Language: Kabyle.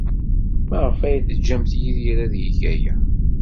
Maɣef ay teǧǧamt Yidir ad yeg aya?